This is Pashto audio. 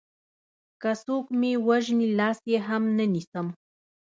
که څوک مې وژني لاس يې هم نه نيسم